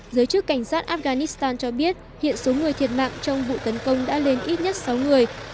giới chức cảnh sát afghanistan cho biết hiện số người thiệt mạng trong vụ tấn công đã lên ít nhất sáu người